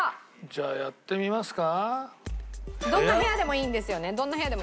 じゃあやってみますか。